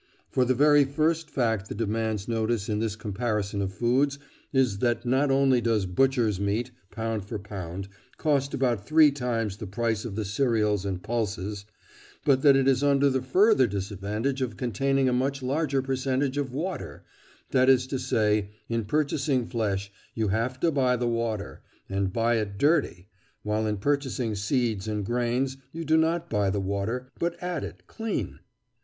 For the very first fact that demands notice in this comparison of foods, is that not only does butchers' meat, pound for pound, cost about three times the price of the cereals and pulses, but that it is under the further disadvantage of containing a much larger percentage of water—that is to say, in purchasing flesh, you have to buy the water, and buy it dirty, while in purchasing seeds and grains you do not buy the water, but add it clean.